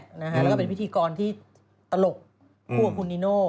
แล้วก็เป็นพิธีกรที่ตลกคู่กับคุณนิโน่